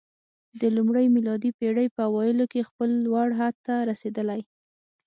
د لومړۍ میلادي پېړۍ په اوایلو کې خپل لوړ حد ته رسېدلی